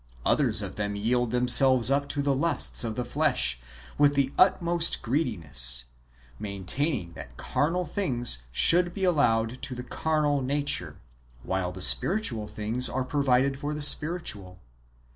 Others of them yield themselves up to the lusts of the flesh with the utmost greediness, maintaining that carnal things should be allowed to the carnal nature, while spiritual things are provided for the spiritual.